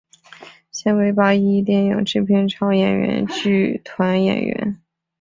现为八一电影制片厂演员剧团演员。